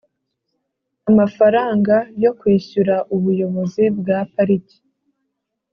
amafaranga yo kwishyura ubuyobozi bwa pariki